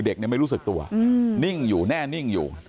เด็กในไม่รู้สึกตัวแน่นิ่งอยู่